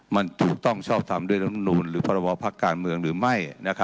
มันถูกต้องชอบทำด้วยรวมนุนหรือภาระบอบภักดิ์การเมืองหรือไม่